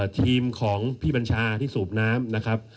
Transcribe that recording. ทีมของพี่บัญชาที่สูบน้ำนะครับ